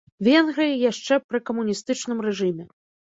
Венгрыі яшчэ пры камуністычным рэжыме.